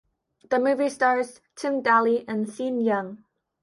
The movie stars Tim Daly and Sean Young.